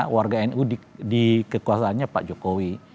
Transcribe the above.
warga nu di kekuasaannya pak jokowi